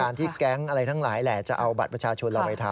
ที่แก๊งอะไรทั้งหลายแหละจะเอาบัตรประชาชนเราไปทำ